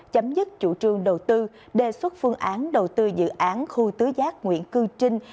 chấm dứt chủ trương đầu tư đề xuất phương án đầu tư dự án khu tứ giác nguyễn cư trinh